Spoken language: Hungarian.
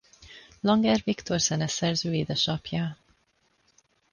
Langer Viktor zeneszerző édesapja.